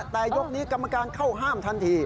แต่ยกนี้กรรมการเข้าห้ามทันที